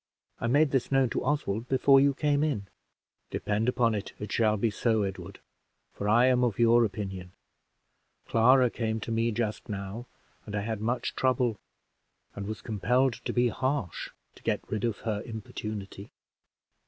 I made this known to Oswald before you came in." "Depend upon it, it shall be so, Edward, for I am of your opinion. Clara came to me just now, and I had much trouble, and was compelled to be harsh, to get rid of her importunity."